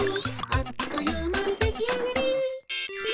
「あっというまにできあがり！」